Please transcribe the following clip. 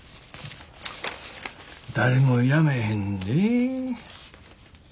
誰も辞めへんで。